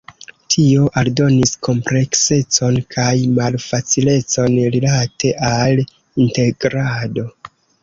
Tio aldonis kompleksecon kaj malfacilecon rilate al integrado.